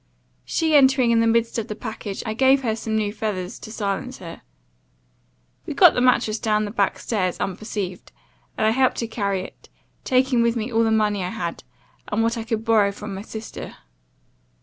She entering in the midst of the package, I gave her some new feathers, to silence her. We got the mattrass down the back stairs, unperceived, and I helped to carry it, taking with me all the money I had, and what I could borrow from my sister.